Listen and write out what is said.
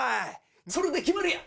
それで決まりや。